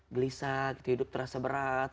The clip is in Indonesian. gelisah hidup terasa berat